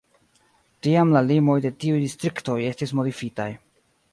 Tiam la limoj de tiuj distriktoj estis modifitaj.